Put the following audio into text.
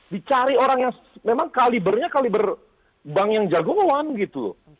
dicari orang yang memang kalibernya kaliber bank yang jago ngelawan gitu